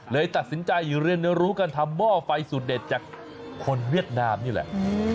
เลยตัดสินใจเรียนรู้การทำหม้อไฟสูตรเด็ดจากคนเวียดนามนี่แหละ